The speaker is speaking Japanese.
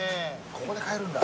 ここで買えるんだ。